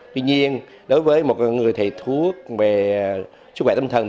tuy nhiên đối với một người thầy thuốc về sức khỏe tâm thần